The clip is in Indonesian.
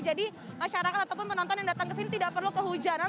jadi masyarakat ataupun penonton yang datang ke sini tidak perlu kehujanan